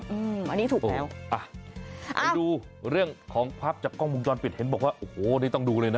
อืมอันนี้ถูกแล้วอ่ะไปดูเรื่องของภาพจากกล้องวงจรปิดเห็นบอกว่าโอ้โหนี่ต้องดูเลยนะ